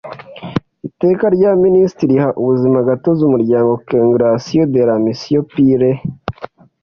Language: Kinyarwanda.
Iteka rya Minisitiri riha ubuzimagatozi Umuryango Congr gation de la Mission P res